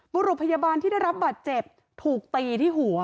บุรุษพยาบาลที่ได้รับบาดเจ็บถูกตีที่หัว